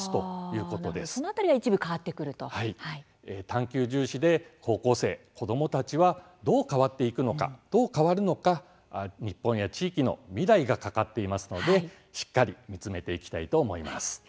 「探究」重視で高校生、子どもたちはどう変わっていくのかどう変わるのか、日本や地域の未来がかかっていますのでしっかり見つめていきたいと思います。